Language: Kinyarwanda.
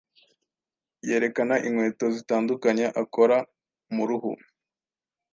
yerekana inkweto zitandukanye akora mu ruhu.